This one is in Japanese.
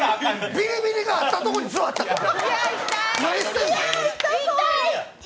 ビリビリがあったところに座ったから。